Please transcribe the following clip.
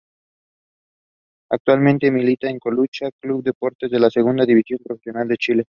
Actualmente milita en Colchagua Club de Deportes de la Segunda División Profesional de Chile.